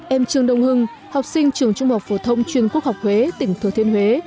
em trường đông hưng học sinh trường trung học thổ thông chuyên quốc học huế tỉnh thừa thiên huế